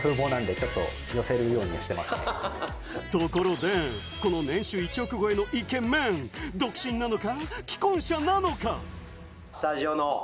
ところで、この年収１億円超えのイケメン、独身なのか？